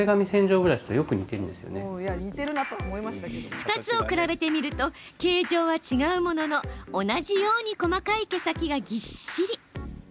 ２つを比べてみると形状は違うものの同じように細かい毛先がぎっしり。